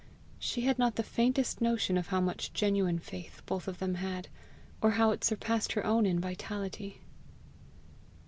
She had not the faintest notion how much genuine faith both of them had, or how it surpassed her own in vitality.